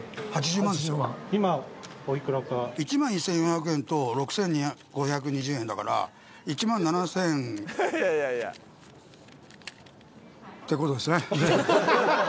１万１，４００円と６，５２０円だから。ってことですね。